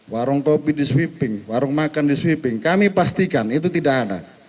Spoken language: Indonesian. warung kopi di sweeping warung makan di sweeping kami pastikan itu tidak ada